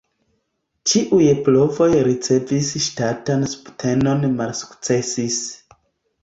Ĉiuj provoj ricevi ŝtatan subtenon malsukcesis.